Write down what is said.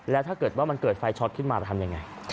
แล้วถ้าเกิดว่ามันเกิดไฟช็อตขึ้นมาจะทำยังไง